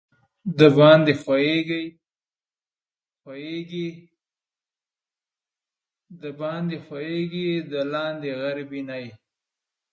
دباندي ښويکى، د لاندي غربينى.